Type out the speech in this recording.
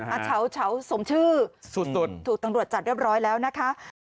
เฉาสมชื่อสุดถูกตำรวจจัดเรียบร้อยแล้วนะคะ